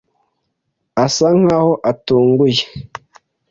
Asa nkaho atunguye.